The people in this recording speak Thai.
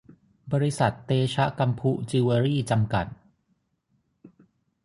บริษัท เตชะกำพุจิวเวลรี่ จำกัด